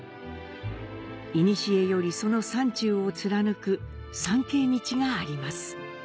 いにしえより、その山中を貫く参詣道があります。